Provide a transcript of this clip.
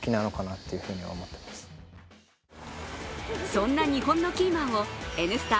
そんな日本のキーマンを「Ｎスタ」